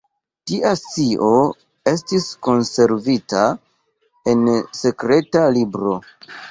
Tia scio estis konservita en sekreta libro.